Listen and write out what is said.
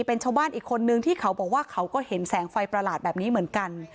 เป็นชาวบ้านอีกคนนึงที่เขาบอกว่าเขาก็เห็นแสงไฟประหลาดแบบนี้เหมือนกัน